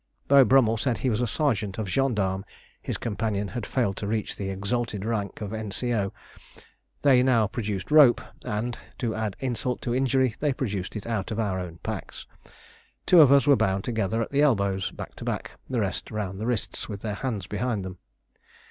Beau Brummell said he was a sergeant of gendarmes; his companion had failed to reach the exalted rank of N.C.O. They now produced rope, and, to add insult to injury, they produced it out of our own packs. Two of us were bound together at the elbows, back to back; the rest round the wrists with their hands behind them.